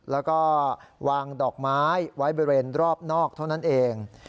แล้วก็วางดอกไม้ไว้บริเวณรอบนอกเท่านั้นเอง